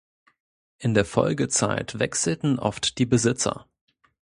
In der Folgezeit wechselten oft die Besitzer.